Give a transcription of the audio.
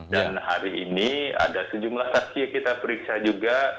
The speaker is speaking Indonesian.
dan hari ini ada sejumlah saksi yang kita periksa juga